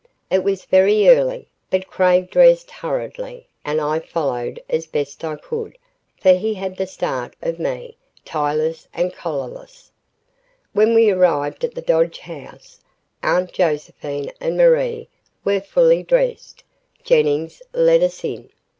It was very early, but Craig dressed hurriedly and I followed as best I could, for he had the start of me, tieless and collarless. When we arrived at the Dodge house, Aunt Josephine and Marie were fully dressed. Jennings let us in.